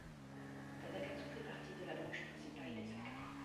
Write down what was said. Tadakatsu fait partie de la branche principale des Sakai.